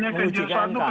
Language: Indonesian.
ini angka yang baik